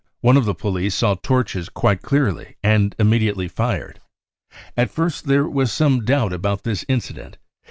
£)ne of the police saw torches quite clearly and immediately fired. At first there was some doubt about this incident.